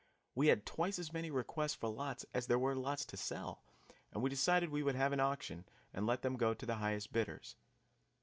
We had twice as many requests for lots as there were lots to sell, and we decided we would have an auction and let them go to the highest bidders.